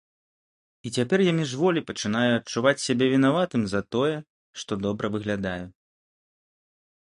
І цяпер я міжволі пачынаю адчуваць сябе вінаватым за тое, што добра выглядаю.